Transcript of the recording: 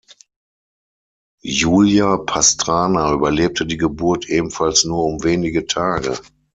Julia Pastrana überlebte die Geburt ebenfalls nur um wenige Tage.